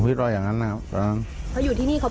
พระเจ้าอาวาสกันหน่อยนะครับ